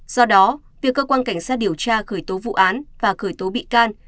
do đó việc cơ quan cảnh sát điều tra khởi tố vụ án và khởi tố bị can